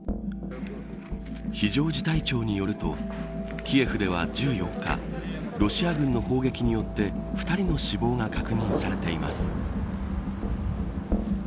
非常事態庁によるとキエフでは１４日ロシア軍の砲撃によって２人の死亡が確認されています。